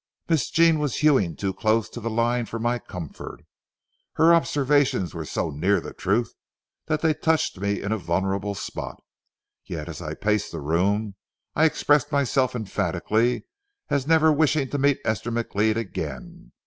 Miss Jean was hewing too close to the line for my comfort. Her observations were so near the truth that they touched me in a vulnerable spot. Yet as I paced the room, I expressed myself emphatically as never wishing to meet Esther McLeod again.